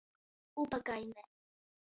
Ubagaine.